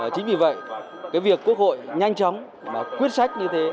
chính vì vậy việc quốc hội nhanh chóng và quyết sách như thế